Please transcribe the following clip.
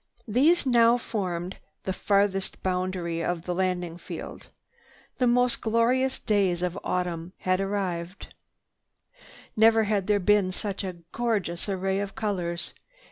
These now formed the farthest boundary of the landing field. The most glorious days of autumn had arrived. Never had there been such a gorgeous array of colors.